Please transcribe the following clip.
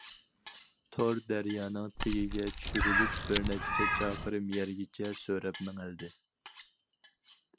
تور دەريانىڭ تېگىگە چۈشۈرۈلۈپ، بىر نەچچە چاقىرىم يەرگىچە سۆرەپ مېڭىلدى.